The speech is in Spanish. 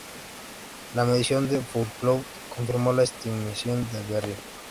La medición de Foucault confirmó las estimaciones de Le Verrier.